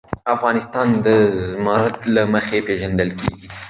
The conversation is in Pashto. افغانستان د زمرد له مخې پېژندل کېږي.